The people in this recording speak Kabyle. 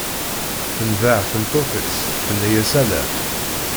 tendeh tmeṭṭut-is tenna-as ala.